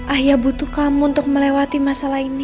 ayah butuh kamu untuk melewati masalah ini